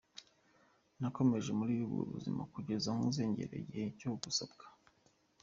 Nakomeje muri ubwo buzima kugeza nkuze ngera igihe cyo gusabwa.